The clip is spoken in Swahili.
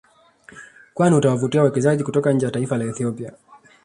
Kwani utawavutia wawekezaji kutoka nje ya taifa la Ethiopia